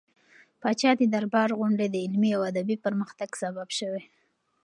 د پاچا د دربار غونډې د علمي او ادبي پرمختګ سبب شوې.